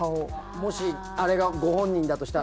もしあれがご本人だとしたら？